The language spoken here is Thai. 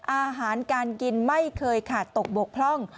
อาหารการกินไม่เคยขาดตกบกพร่อง